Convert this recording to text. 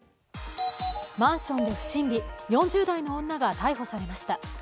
マンションで不審火、４０代の女が逮捕されました。